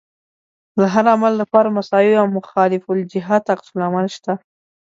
د هر عمل لپاره مساوي او مخالف الجهت عکس العمل شته.